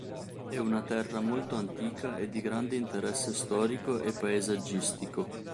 È una terra molto antica e di grande interesse storico e paesaggistico.